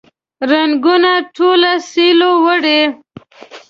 رنګونه ټوله سیلیو وړي